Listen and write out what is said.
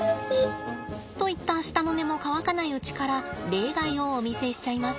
といった舌の根も乾かないうちから例外をお見せしちゃいます。